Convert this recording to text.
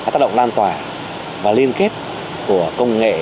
tác động lan tỏa và liên kết của công nghệ